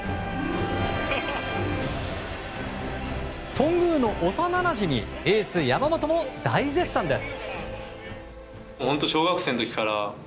頓宮の幼なじみエース、山本も大絶賛です。